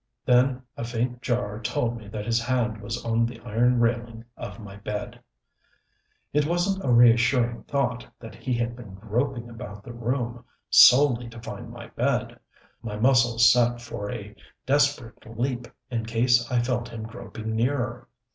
Then a faint jar told me that his hand was on the iron railing of my bed. It wasn't a reassuring thought that he had been groping about the room solely to find my bed. My muscles set for a desperate leap in case I felt him groping nearer....